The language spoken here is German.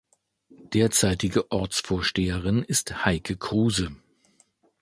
Derzeitige Ortsvorsteherin ist Heike Kruse.